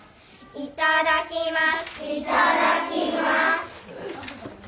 いただきます。